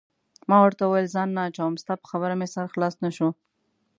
ما ورته وویل: ځان نه اچوم، ستا په خبره مې سر خلاص نه شو.